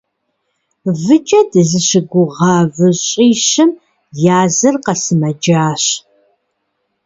Выкӏэ дызыщыгугъа выщӏищым языр къэсымэджащ.